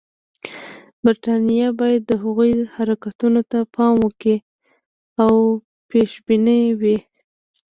برټانیه باید د هغوی حرکتونو ته پام وکړي او پېشبینه وي.